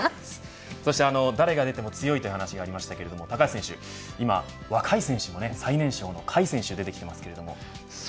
誰が出ても強いという話ありましたけれど高橋選手、今若い選手最年少の甲斐選手出てきてます。